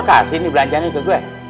lu kasih ini belanjaan itu gue